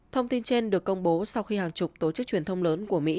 thông tin trên được công bố sau khi hàng chục tổ chức truyền thông lớn của mỹ